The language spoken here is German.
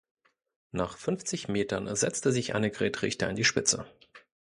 Nach fünfzig Metern setzte sich Annegret Richter an die Spitze.